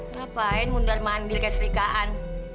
ngapain mundur mandir kayak serikaan